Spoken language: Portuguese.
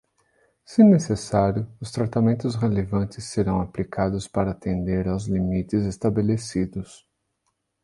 Se necessário, os tratamentos relevantes serão aplicados para atender aos limites estabelecidos.